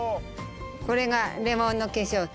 これがレモンの化粧水。